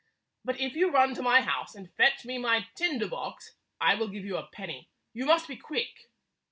But if you run to my house and fetch me my tinder box, I will give you a penny. You must be quick."